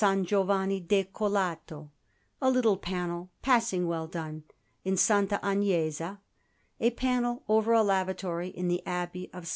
Giovanni Decollato; a little panel, passing well done, in S. Agnesa; a panel over a lavatory in the Abbey of S.